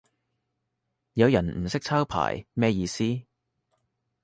有人唔識抄牌咩意思